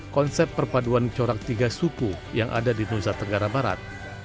konsep perpaduan corak tiga suku yang ada di nusa tenggara barat